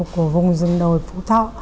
của vùng rừng đồi phú thọ